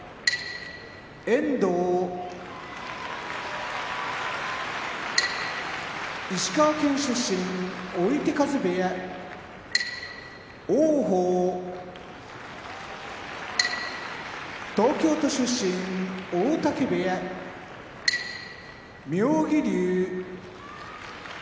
遠藤石川県出身追手風部屋王鵬東京都出身大嶽部屋妙義龍